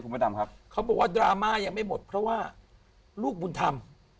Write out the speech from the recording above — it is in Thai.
พระดำครับเขาบอกว่าดราม่ายังไม่หมดเพราะว่าลูกบุญธรรม